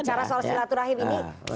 bicara soal silaturahim ini